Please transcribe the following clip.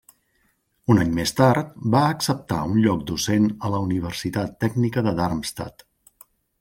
Un any més tard va acceptar un lloc docent a la Universitat Tècnica de Darmstadt.